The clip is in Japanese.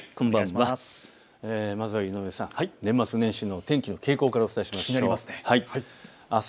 まずは井上さん、年末年始の天気の傾向からお伝えします。